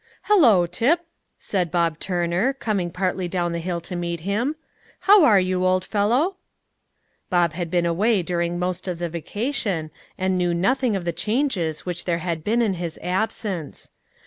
"Hallo, Tip!" said Bob Turner, coming partly down the hill to meet him. "How are you, old fellow?" Bob had been away during most of the vacation, and knew nothing of the changes which there had been in his absence.